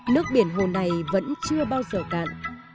nước biển hồ này vẫn chưa bao giờ cạn